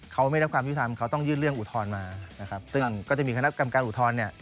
เขาไม่รับความยุทธรรมต้องยื่นเรื่องอุทธรมาซึ่งก็จะมีคณะกำการอุทธร